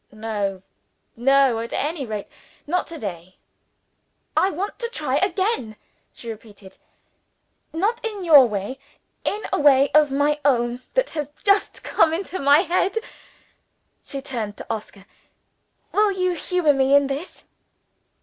"No! no! At any rate not to day." "I want to try again," she repeated. "Not in your way. In a way of my own that has just come into my head." She turned to Oscar. "Will you humour me in this?"